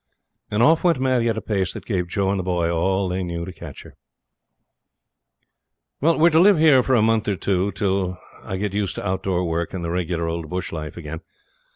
And off went Maddie at a pace that gave Joe and the boy all they knew to catch her. ..... We're to live here for a month or two till I get used to outdoor work and the regular old bush life again.